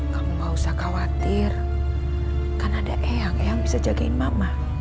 kamu gak usah khawatir kan ada eyang yang bisa jagain mama